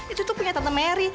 itu tuh punya tata mary